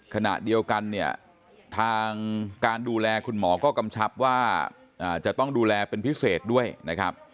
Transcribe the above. ขณะเดียวกันเนี่ยทางการดูแลคุณหมอก็กำชับว่าจะต้องดูแลเป็นพิเศษด้วยนะครับ